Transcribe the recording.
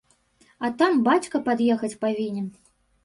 А там бацька пад'ехаць павінен.